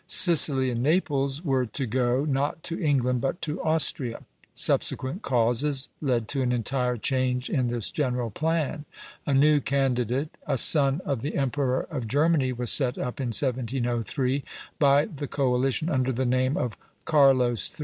Sicily and Naples were to go, not to England, but to Austria. Subsequent causes led to an entire change in this general plan. A new candidate, a son of the Emperor of Germany, was set up in 1703 by the coalition under the name of Carlos III.